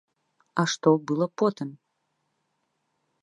А што было потым?